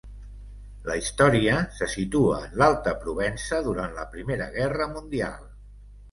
La història se situa en l'Alta Provença durant la Primera Guerra Mundial.